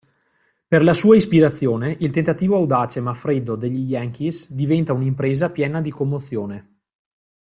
Per la sua ispirazione il tentativo audace ma freddo degli Yankees diventa un'impresa piena di commozione.